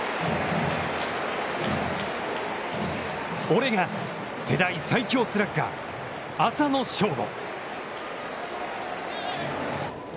俺が世代最強スラッガー、浅野翔吾。